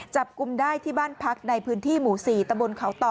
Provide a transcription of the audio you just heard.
จับกลุ่มได้ที่บ้านพักในพื้นที่หมู่๔ตะบนเขาต่อ